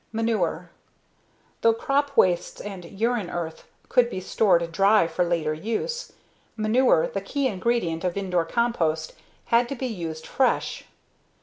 Manure Though crop wastes and urine earth could be stored dry for later use, manure, the key ingredient of Indore compost, had to be used fresh.